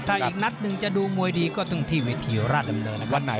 ถ้าอีกนัดหนึ่งจะดูมวยดีก็ต้องที่เวทีราชดำเนินนะครับ